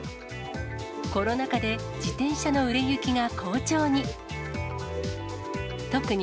コロナ禍で自転車の売れ行きが好調に。